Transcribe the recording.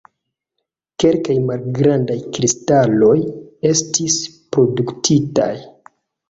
Kelkaj malgrandaj kristaloj estis produktitaj.